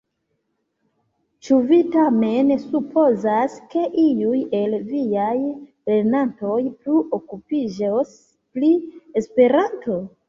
Ĉu vi tamen supozas, ke iuj el viaj lernantoj plu okupiĝos pri Esperanto?